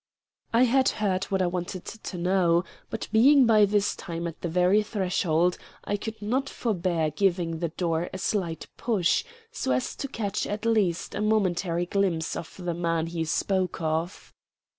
I had heard what I wanted to know, but, being by this time at the very threshold, I could not forbear giving the door a slight push, so as to catch at least a momentary glimpse of the man he spoke of.